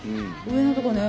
上のとこね。